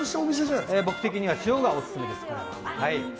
僕的には塩がオススメです。